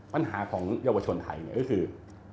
ปัญหาของเยาวชนไทยก็คือ